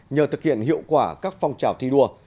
nhờ thực hiện hiệu quả các phong trào thi đua